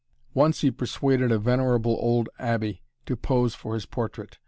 Once he persuaded a venerable old abbé to pose for his portrait.